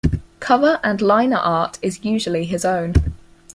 Cover and liner art is usually his own.